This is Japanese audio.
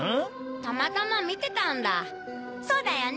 たまたま見てたんだそうだよね。